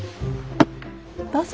どうぞ。